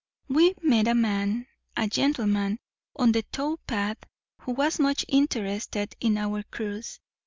We met a man, a gentleman, on the tow path, who was much interested in our cruise.